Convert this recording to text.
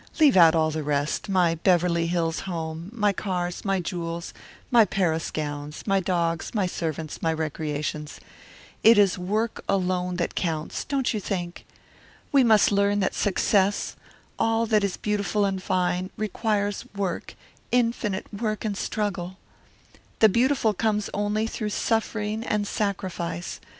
Leave out all the rest my Beverly Hills home, my cars, my jewels, my Paris gowns, my dogs, my servants, my recreations. It is work alone that counts, don't you think? We must learn that success, all that is beautiful and fine, requires work, infinite work and struggle. The beautiful comes only through suffering and sacrifice.